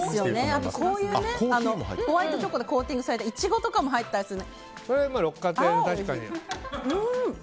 あと、こういうホワイトチョコでコーティングされたイチゴとかも入ってたりする。